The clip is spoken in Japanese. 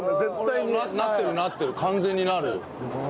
俺なってるなってる完全になる。